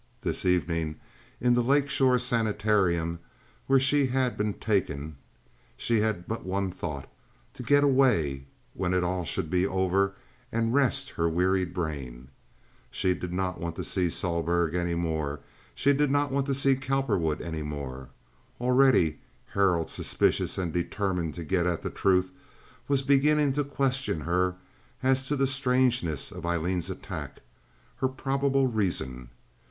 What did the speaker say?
This evening, in the Lake Shore Sanitarium, where she had been taken, she had but one thought—to get away when it should all be over and rest her wearied brain. She did not want to see Sohlberg any more; she did not want to see Cowperwood any more. Already Harold, suspicious and determined to get at the truth, was beginning to question her as to the strangeness of Aileen's attack—her probable reason.